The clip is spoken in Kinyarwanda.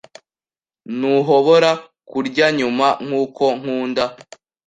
Ntuhobora kurya Nyuma nkuko nkunda